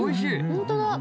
本当だ。